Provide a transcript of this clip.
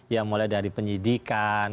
ya mulai dari penyidikan